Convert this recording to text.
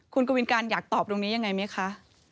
คุณกวินการอยากตอบตรงนี้ยังไงไหมคะ